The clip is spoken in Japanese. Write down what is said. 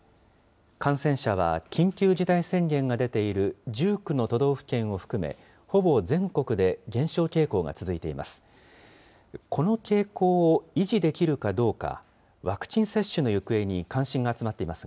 感染者は緊急事態宣言が出ている１９の都道府県を含め、ほぼ全国で減少傾向が続いています。